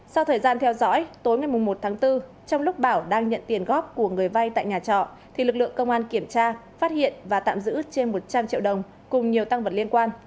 sau thời gian theo dõi tối ngày một tháng bốn trong lúc bảo đang nhận tiền góp của người vay tại nhà trọ thì lực lượng công an kiểm tra phát hiện và tạm giữ trên một trăm linh triệu đồng cùng nhiều tăng vật liên quan